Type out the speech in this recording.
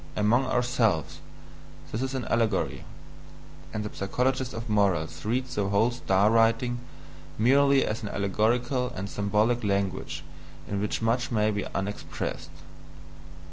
Among ourselves, this is an allegory; and the psychologist of morals reads the whole star writing merely as an allegorical and symbolic language in which much may be unexpressed.